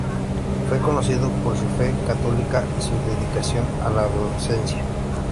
Fue conocido por su fe católica y su dedicación a la docencia.